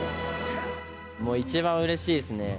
もう一番うれしいですね。